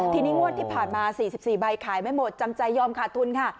ทีนี้งวดที่ผ่านมา๔๔ใบขายไม่หมดจำใจยอมขาดทุนค่ะ